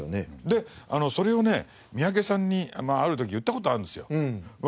でそれをね三宅さんにある時言った事があるんですよ。